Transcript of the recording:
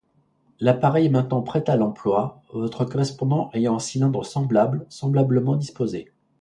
L'appareil est maintenant prêt à l'emploi, votre correspondant ayant un cylindre semblable, semblablement disposé.